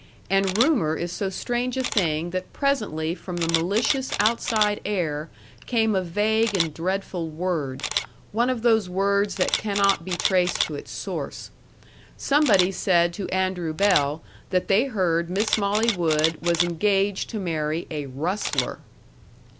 And rumor is so strange a thing that presently from the malicious outside air came a vague and dreadful word one of those words that cannot be traced to its source. Somebody said to Andrew Bell that they heard Miss Molly Wood was engaged to marry a RUSTLER.